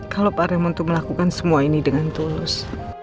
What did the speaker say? kalau pak remon itu melakukan semua ini dengan tulus